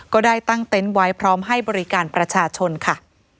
ก็ได้ตั้งเต็นต์ไว้พร้อมให้บริการประชาชนค่ะ